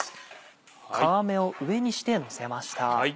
皮目を上にしてのせました。